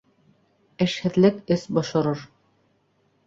Эшһеҙлек эс бошорор.